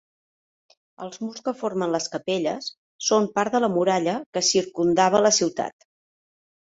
Els murs que formen les capelles són part de la muralla que circumdava la ciutat.